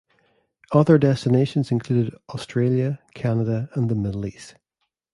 Other destinations included Australia, Canada, and the Middle East.